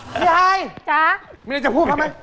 พี่ฮายจ๊ะไม่ได้จะพูดไหม